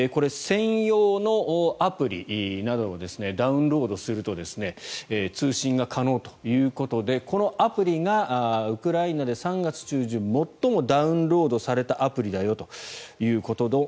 専用のアプリなどをダウンロードすると通信が可能ということでこのアプリがウクライナで３月中旬最もダウンロードされたアプリだよと。